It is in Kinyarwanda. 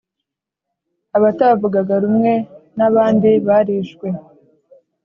abatavugaga rumwe n'abandi barishwe